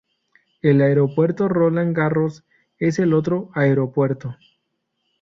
El Aeropuerto Roland Garros es el otro aeropuerto.